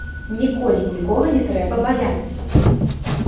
Ніколі нікога не трэба баяцца.